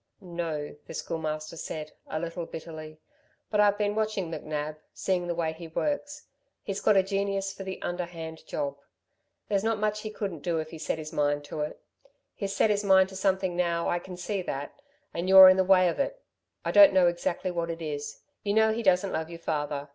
"No," the Schoolmaster said, a little bitterly. "But I've been watching McNab seeing the way he works. He's got a genius for the underhand job. There's not much he couldn't do if he set his mind to it. He's set his mind to something now I can see that ... and you're in the way of it. I don't know exactly what it is. You know he doesn't love your father.